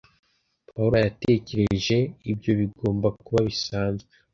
Paul yatekereje, ibyo bigomba kuba bisanzwe.